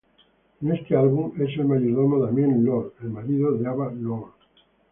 En este álbum, es el mayordomo Damien Lord, el marido de Ava Lord.